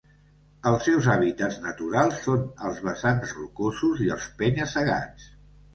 Els seus hàbitats naturals són els vessants rocosos i els penya-segats.